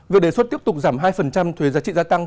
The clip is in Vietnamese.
việc đề xuất tiếp tục giảm hai thuế giá trị gia tăng